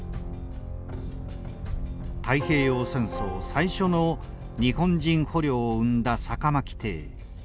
太平洋戦争最初の日本人捕虜を生んだ酒巻艇。